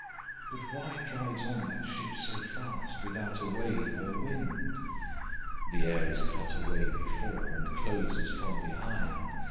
'But why drives on that ship so fast, Without or wave or wind?' Second Voice 'The air is cut away before, And closes from behind.